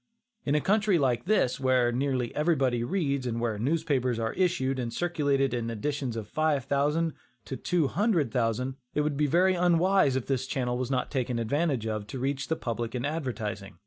In a country like this, where nearly everybody reads, and where newspapers are issued and circulated in editions of five thousand to two hundred thousand, it would be very unwise if this channel was not taken advantage of to reach the public in advertising.